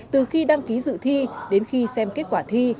từ khi đăng ký dự thi đến khi xem kết quả thi